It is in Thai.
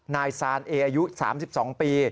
นายซานเออายุ๓๒ปี